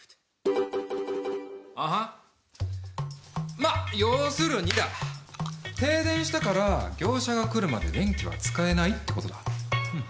まあ要するにだ停電したから業者が来るまで電気は使えないってことだうん。